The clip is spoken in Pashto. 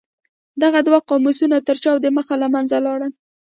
دغه دوه قاموسونه تر چاپ د مخه له منځه لاړل.